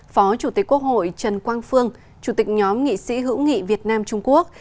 phó chủ tịch quốc hội trần quang phương chủ tịch nhóm nghị sĩ hữu nghị việt nam trung quốc